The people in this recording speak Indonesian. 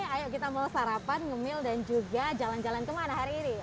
ayo kita mulai sarapan ngemil dan juga jalan jalan kemana hari ini